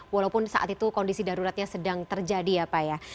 walaupun saat itu kondisi daruratnya sedang terjadi ya pak ya